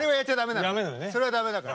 それは、だめだから！